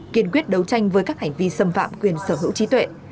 kiên quyết đấu tranh với các hành vi xâm phạm quyền sở hữu trí tuệ